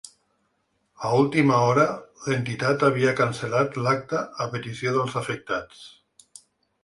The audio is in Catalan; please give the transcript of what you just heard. A última hora, l’entitat havia cancel·lat l’acte a petició dels afectats.